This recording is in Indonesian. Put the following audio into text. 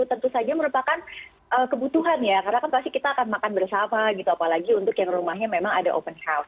demi meminimalisirkan uang thr bisa disesuaikan dengan budget